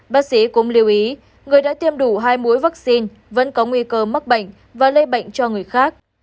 bác sĩ cũng lưu ý người đã tiêm đủ hai mũi vaccine vẫn có nguy cơ mắc bệnh và lây bệnh cho người khác